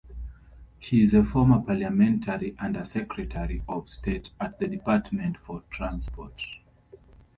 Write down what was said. She is a former Parliamentary Under Secretary of State at the Department for Transport.